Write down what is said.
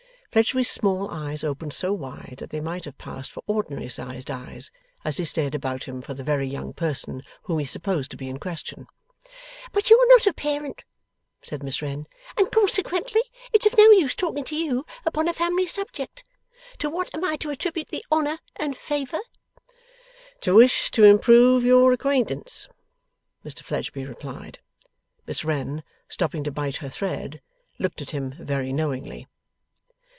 Fledgeby's small eyes opened so wide that they might have passed for ordinary sized eyes, as he stared about him for the very young person whom he supposed to be in question. 'But you're not a parent,' said Miss Wren, 'and consequently it's of no use talking to you upon a family subject. To what am I to attribute the honour and favour?' 'To a wish to improve your acquaintance,' Mr Fledgeby replied. Miss Wren, stopping to bite her thread, looked at him very knowingly.